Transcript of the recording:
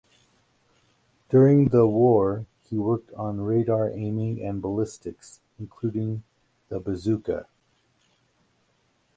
During the war, he worked on radar aiming and ballistics, including the bazooka.